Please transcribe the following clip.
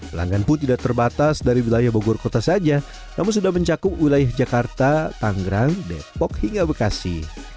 pelanggan pun tidak terbatas dari wilayah bogor kota saja namun sudah mencakup wilayah jakarta tanggerang depok hingga bekasi